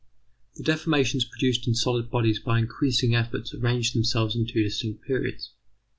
The deformations produced in solid bodies by increasing efforts arrange themselves in two distinct periods.